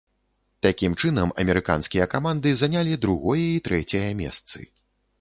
Такім чынам, амерыканскія каманды занялі другое і трэцяе месцы.